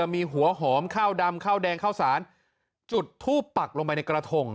มีหัวหอมข้าวดำข้าวแดงข้าวสารจุดทูปปักลงไปในกระทง